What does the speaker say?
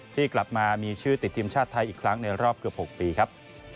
ที่กลับมามีชื่อติดทีมชาติไทยอีกครั้งในรอบเกือบ๖ปีครับ